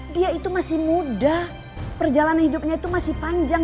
dia itu masih muda perjalanan hidupnya itu masih panjang